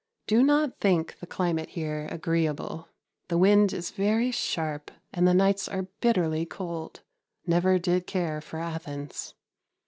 Do not think the climate here agreeable. The wind is very sharp and the nights are bitterly cold. Never did care for Athens.